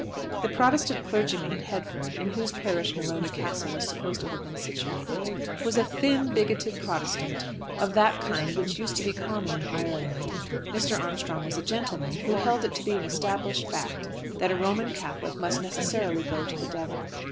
The Protestant clergyman at Headford, in whose parish Morony Castle was supposed to have been situated, was a thin, bigoted Protestant, of that kind which used to be common in Ireland. Mr. Armstrong was a gentleman, who held it to be an established fact that a Roman Catholic must necessarily go to the devil.